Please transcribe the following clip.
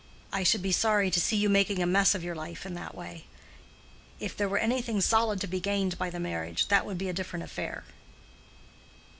I should be sorry to see you making a mess of your life in that way. If there were anything solid to be gained by the marriage, that would be a different affair."